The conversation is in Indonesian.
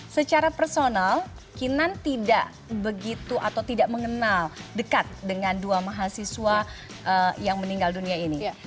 secara personal kinan tidak begitu atau tidak mengenal dekat dengan dua mahasiswa yang meninggal dunia ini